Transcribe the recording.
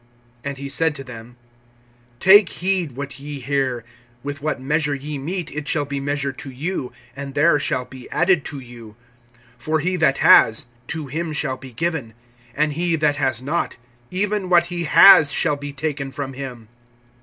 (24)And he said to them: Take heed what ye hear. With what measure ye mete, it shall be measured to you, and there shall be added to you. (25)For he that has, to him shall be given; and he that has not, even what he has shall be taken from him.